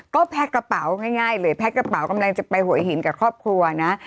ก็แพ็คกระเป๋าง่ายเลยแพ็กกระเป๋ากำลังจะไปหัวหินกับครอบครัวนะ